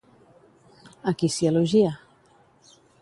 A qui s'hi elogia?